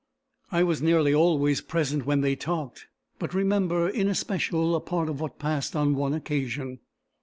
I was nearly always present when they talked, but remember in especial a part of what passed on one occasion.